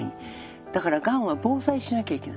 だからがんは防災しなきゃいけない。